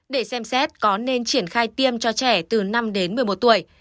để xem xét có nên triển khai tiêm cho trẻ từ năm đến một mươi một tuổi